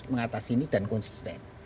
mengatas ini dan konsisten